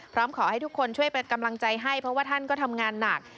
พร้อมขอให้ทุกคนช่วยเป็นกำลังใจให้เพราะว่าท่านก็ทำงานหนัก